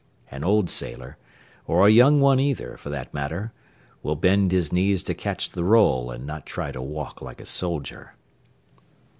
An old sailor, or a young one either, for that matter, will bend his knees to catch the roll and not try to walk like a soldier.